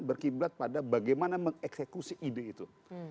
berkiblat pada bagaimana mengeksekusi ide itu